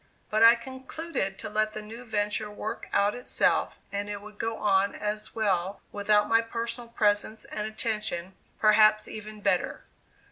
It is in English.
But I concluded to let the new venture work out itself and it would go on as well without my personal presence and attention, perhaps even better.